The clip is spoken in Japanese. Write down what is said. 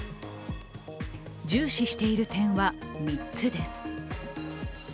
重視している点は３つです。